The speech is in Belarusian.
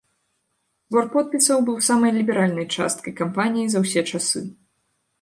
Збор подпісаў быў самай ліберальнай часткай кампаніі за ўсе часы.